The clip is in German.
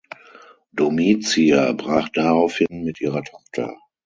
Domitia brach daraufhin mit ihrer Tochter.